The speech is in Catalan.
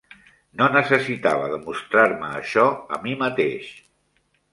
No necessitava demostrar-me això a mi mateix.